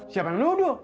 siapa yang nuduh